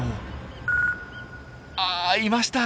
あいました！